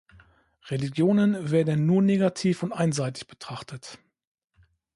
Religionen werden nur negativ und einseitig betrachtet.